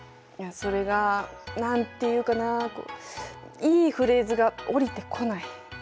いやそれが何て言うかなあこういいフレーズが降りてこない。